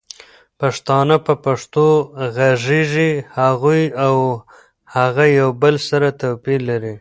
پښتانه په پښتو غږيږي هغوي او هغه يو بل سره توپير لري